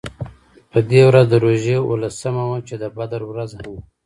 په دې ورځ د روژې اوولسمه وه چې د بدر ورځ هم وه.